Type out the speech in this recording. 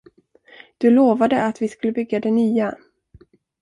Du lovade att vi skulle bygga det nya.